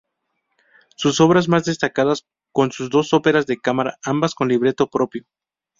Sus obras más destacadas son sus dos óperas de cámara, ambas con libreto propio.